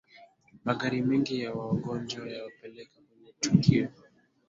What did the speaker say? magari mengi ya wangonjwa yamepelekwa kwenye tukio